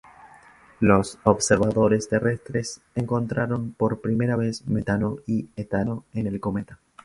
Los observadores terrestres encontraron por primera vez metano y etano en el cometa.